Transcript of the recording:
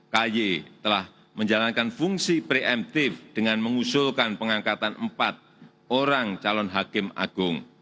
ky telah menjalankan fungsi preemptif dengan mengusulkan pengangkatan empat orang calon hakim agung